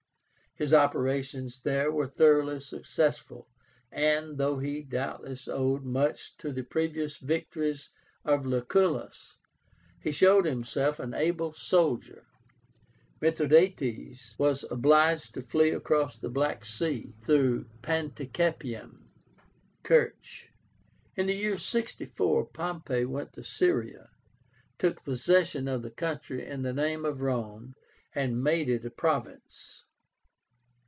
His operations there were thoroughly successful, and, though he doubtless owed much to the previous victories of Lucullus, he showed himself an able soldier. Mithradátes was obliged to flee across the Black Sea to Panticapaeum (Kertch). In the year 64 Pompey went to Syria, took possession of the country in the name of Rome, and made it a province.